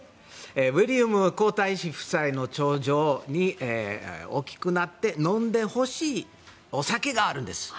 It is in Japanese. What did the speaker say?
ウィリアム皇太子夫妻の長女に大きくなって飲んでほしいお酒があるんです。